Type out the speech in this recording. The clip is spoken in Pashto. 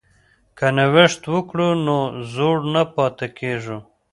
که نوښت وکړو نو زوړ نه پاتې کیږو.